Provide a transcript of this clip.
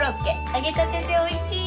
揚げたてでおいしいよ。